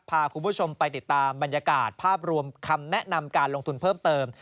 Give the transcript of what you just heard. พาคุณผู้ชมไปติดตามบรรยากาศภาพรวมคำแนะนำการลงทุนเพิ่มเติม